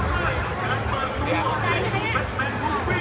วันนี้ก็เป็นปีนี้